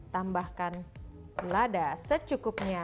tambahkan lada secukupnya